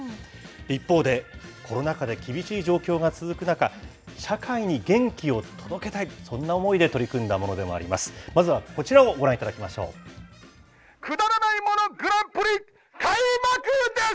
一方で、コロナ禍で厳しい状況が続く中、社会に元気を届けたいと、そんな思いで取り組んだものでもあります。